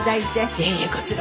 いえいえこちらこそ。